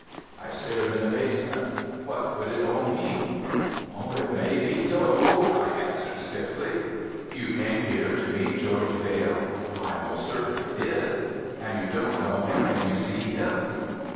I stared in amazement. What could it all mean. "It may be so," I answered stiffly. "You came here to meet George Vail?" "I most certainly did." "And you don't know him when you see him?"